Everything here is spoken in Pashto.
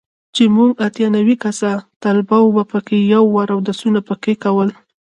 چې موږ اتيا نوي کسه طلباو به په يو وار اودسونه پکښې کول.